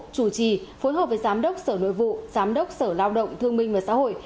chủ trì phối hợp với giám đốc sở nội vụ giám đốc sở lao động thương minh và xã hội